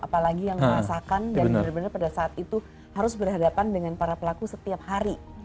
apalagi yang merasakan dan benar benar pada saat itu harus berhadapan dengan para pelaku setiap hari